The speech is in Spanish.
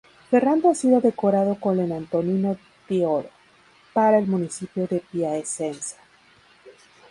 Ferrando ha sido decorado con el "Antonino d'Oro" para el Municipio de Piacenza.